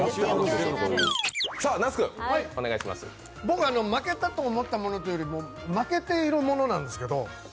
僕負けたと思ったというよりも負けているものなんですけど。